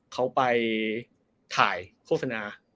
เขาไปถ่ายโฆษณา